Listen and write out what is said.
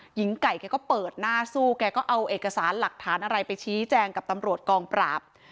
หญิงไก่แกก็เปิดหน้าสู้แกก็เอาเอกสารหลักฐานอะไรไปชี้แจงกับตำรวจกองปราบ